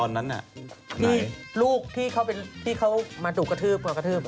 ลูกที่เขามาตู่กระทืบ